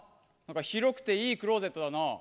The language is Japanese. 広くていいクローゼットだな。